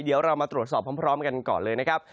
เดี๋ยวเรามาตรวจสอบพร้อมกันก่อนเลยนะครับ